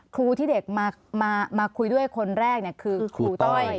ครูที่เด็กมาคุยด้วยคนแรกคือครูต้อย